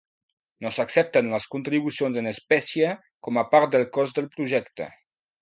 No s'accepten les contribucions en espècie com a part del cost del projecte.